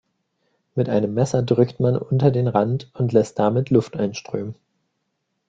Mit einem Messer drückt man unter den Rand und lässt damit Luft einströmen.